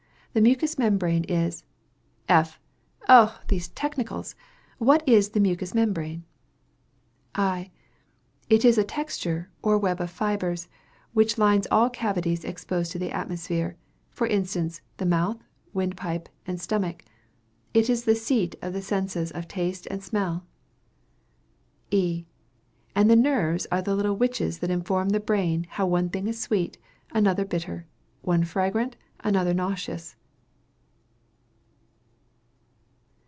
The mucous membrane is F. Oh, these technicals! What is the mucous membrane? I. It is a texture, or web of fibres, which lines all cavities exposed to the atmosphere for instance, the mouth, windpipe and stomach. It is the seat of the senses of taste and smell. E. And the nerves are the little witches that inform the brain how one thing is sweet, another bitter; one fragrant, another nauseous.